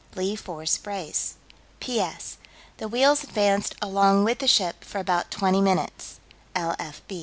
"Lee Fore Brace. "P.S. The wheels advanced along with the ship for about twenty minutes. L.